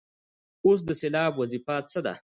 اوس د سېلاب وظیفه څه ده.